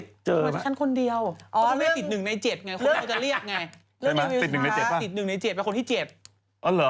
ก็จะเรียกไงติดหนึ่งในเจ็บ